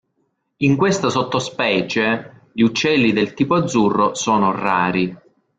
In questa sottospecie gli uccelli del tipo azzurro sono rari.